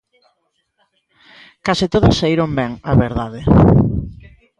Case todas saíron ben, a verdade.